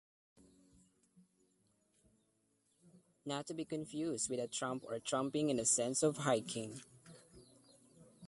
Not to be confused with a Tramp or Tramping in the sense of Hiking.